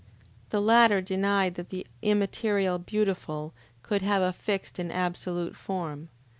The latter denied that the immaterial Beautiful could have a fixed and absolute form.